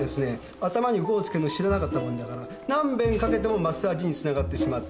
頭に「５」を付けんのを知らなかったものだから何べんかけてもマッサージにつながってしまった。